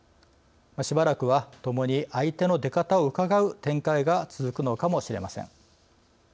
しばらくは共に相手の出方をうかがう展開が続くのかもしれません。